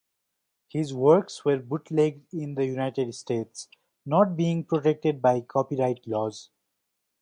His works were bootlegged in the United States, not being protected by copyright laws.